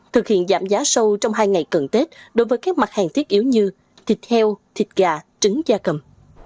thực hiện giảm giá sâu trong hai ngày cận tết đối với các mặt hàng thiết yếu như thịt heo thịt gà trứng da cầm